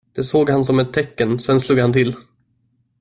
Det såg han som ett tecken, sen slog han till.